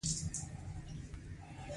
ځینې شیان لکه ونه او اوبه په طبیعت کې وي.